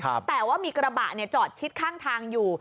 แต่ว่ามีกระบะเนี่ยจอดชิดข้างทางอยู่